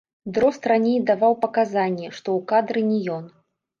Дрозд раней даваў паказанні, што ў кадры не ён.